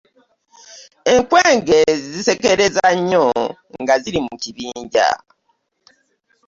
Enkwenge zisekereza nnyo nga ziri mu kibinja .